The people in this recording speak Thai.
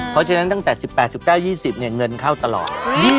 เพราะฉะนั้นตั้งแต่๑๘๑๙๒๐เงินเข้าตลอด